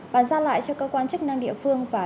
bàn gian lại cho cơ quan chức năng địa phương